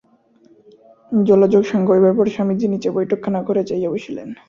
জলযোগ সাঙ্গ হইবার পর স্বামীজী নীচে বৈঠকখানা-ঘরে যাইয়া বসিলেন।